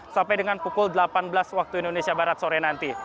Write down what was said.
sampai dengan pukul delapan belas waktu indonesia barat sore nanti